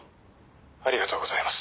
ありがとうございます。